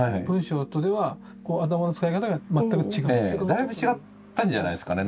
だいぶ違ったんじゃないですかね。